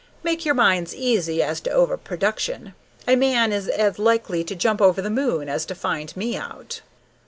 Make your minds easy as to over production. A man is as likely to jump over the moon as to find me out."